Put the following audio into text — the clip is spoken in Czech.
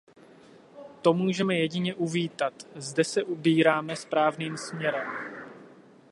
To můžeme jedině uvítat; zde se ubíráme správným směrem.